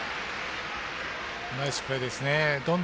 ナイスプレーですね。